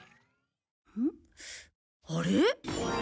あれ？